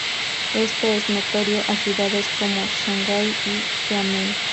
Esto es notorio en ciudades como Shanghái y Xiamen.